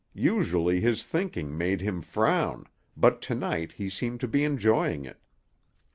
Usually his thinking made him frown, but to night he seemed to be enjoying it.